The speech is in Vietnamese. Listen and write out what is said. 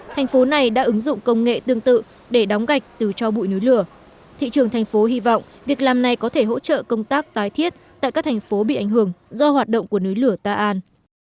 thành phố này đã ứng dụng công nghệ tương tự để đóng gạch từ cho bụi núi lửa thị trường thành phố hy vọng việc làm này có thể hỗ trợ công tác tái thiết tại các thành phố bị ảnh hưởng do hoạt động của núi lửa ta an